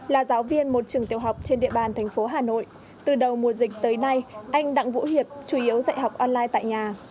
là giáo viên một trường tiểu học trên địa bàn thành phố hà nội từ đầu mùa dịch tới nay anh đặng vũ hiệp chủ yếu dạy học online tại nhà